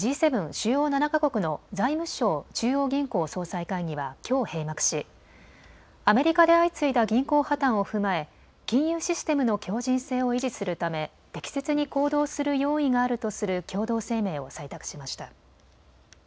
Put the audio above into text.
主要７か国の財務相・中央銀行総裁会議はきょう閉幕しアメリカで相次いだ銀行破綻を踏まえ金融システムの強じん性を維持するため適切に行動する用意があるとする共同声明を採択しました。